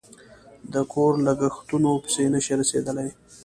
د کور لگښتونو پسې نشي رسېدلی